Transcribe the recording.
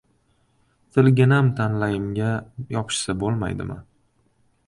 Tilginam tanglayimga yopishsa boTmaydimi?